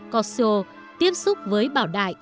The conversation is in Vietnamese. corsio tiếp xúc với bảo đại